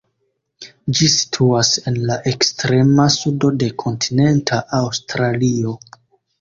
Ĝi situas en la ekstrema sudo de kontinenta Aŭstralio.